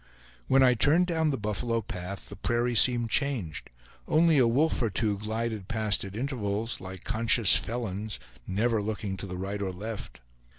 When I turned down the buffalo path, the prairie seemed changed; only a wolf or two glided past at intervals, like conscious felons, never looking to the right or left.